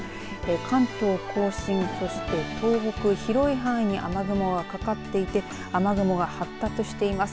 関東甲信そして東北、広い範囲に雨雲がかかっていて雨雲が発達しています。